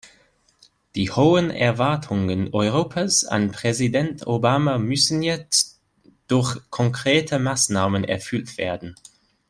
Die hohen Erwartungen Europas an Präsident Obama müssen jetzt durch konkrete Maßnahmen erfüllt werden.